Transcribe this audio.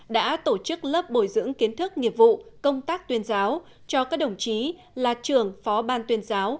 đã tổ chức lớp bồi dưỡng kiến thức nghiệp vụ công tác tuyên giáo cho các đồng chí là trưởng phó ban tuyên giáo